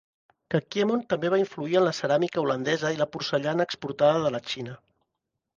Kakiemon també va influir en la ceràmica holandesa i la porcellana exportada de la Xina.